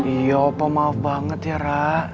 iya opa maaf banget ya rara